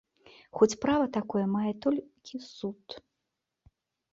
Хоць права такое мае толькі суд.